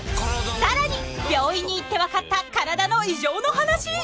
［さらに病院に行って分かった体の異常の話］